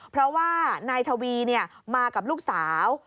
เพราะว่านายทวีมากับลูกสาว